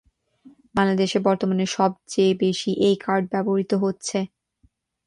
বাংলাদেশে বর্তমানে সবচেয়ে বেশি এই কার্ড ব্যবহৃত হচ্ছে।